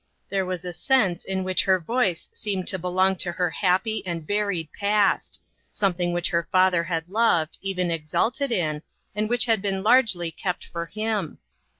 There was a sense in which her voice seemed to belong to her happy and buried past ; something which her father had loved, even exulted in, and which had been largely kept for him.